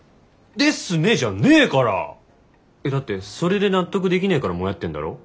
「ですね！」じゃねえから！えっだってそれで納得できねぇからモヤってんだろ？